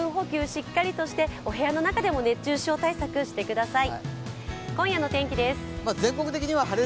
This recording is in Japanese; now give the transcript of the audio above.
しっかりしてお部屋の中でも熱中症対策してください。